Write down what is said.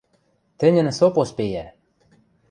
Тӹньӹн со «поспейӓ».